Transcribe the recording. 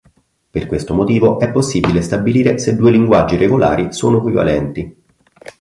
Per questo motivo è possibile stabilire se due linguaggi regolari sono equivalenti.